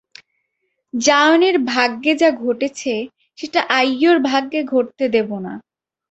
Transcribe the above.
জায়নের ভাগ্যে যা ঘটেছে সেটা আইয়োর ভাগ্যে ঘটতে দেব না।